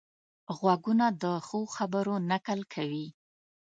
غوږونه د ښو خبرو نقل کوي